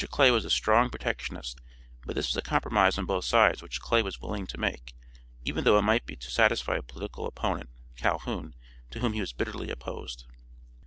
Clay was a strong protectionist but this was a compromise on both sides which Clay was willing to make, even though it might be to satisfy a political opponent Calhoun to whom he was bitterly opposed.